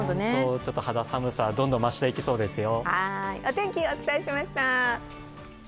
ちょっと肌寒さはどんどん増していきそうですよ。